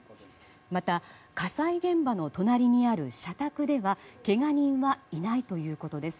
また、火災現場の隣にある社宅ではけが人はいないということです。